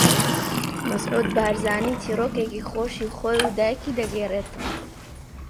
مەسعود بارزانی چیرۆکێکی خۆشی خۆی و دایکی دەگێڕیتەوە